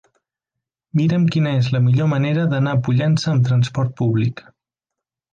Mira'm quina és la millor manera d'anar a Pollença amb transport públic.